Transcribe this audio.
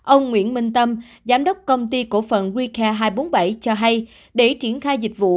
ông nguyễn minh tâm giám đốc công ty cổ phận wikha hai trăm bốn mươi bảy cho hay để triển khai dịch vụ